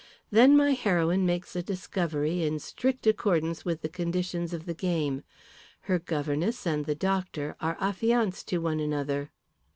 Then my heroine makes a discovery in strict accordance with the conditions of the game. Her governess and the doctor are affianced to one another."